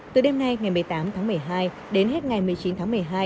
từ đêm nay ngày một mươi tám tháng một mươi hai đến hết ngày một mươi chín tháng một mươi hai